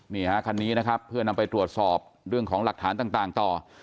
นี่ฮะคันนี้นะครับเพื่อนำไปตรวจสอบเรื่องของหลักฐานต่างต่อ